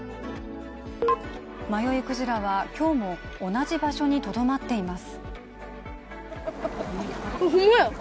迷いクジラは今日も同じ場所にとどまっています。